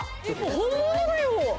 本物だよ！